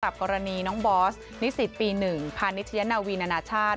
กลับกรณีน้องบอสนิสิทธิ์ปีหนึ่งพาณิชยะนาวีนานาชาติ